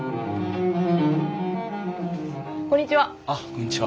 こんにちは。